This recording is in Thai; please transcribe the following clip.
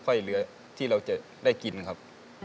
ช่วยเหลือที่เราจะได้กินครับ